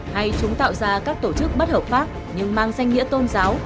hay chúng tạo ra các tổ chức bất hợp pháp nhưng mang danh nghĩa tôn giáo